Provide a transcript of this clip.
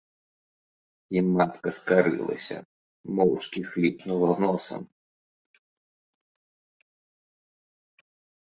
І матка скарылася, моўчкі хліпнула носам.